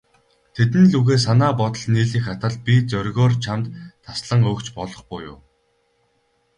Тэдэн лүгээ санаа бодол нийлэх атал, би зоригоор чамд таслан өгч болох буюу.